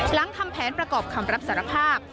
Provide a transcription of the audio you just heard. หลังทำแผนประกอบคำรับสารภาพ